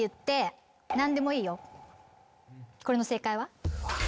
これの正解は？